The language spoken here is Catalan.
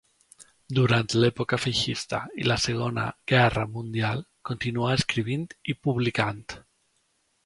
Durant l'època feixista i la Segona Guerra Mundial, continuà escrivint i publicant.